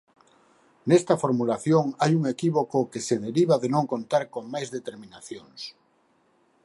Nesta formulación hai un equívoco que se deriva de non contar con máis determinacións.